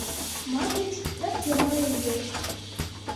Мабыць, так яно і ёсць.